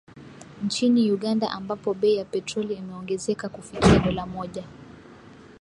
Nchini Uganda, ambapo bei ya petroli imeongezeka kufikia dola moja.